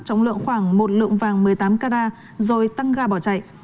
trọng lượng khoảng một lượng vàng một mươi tám carat rồi tăng ga bỏ chạy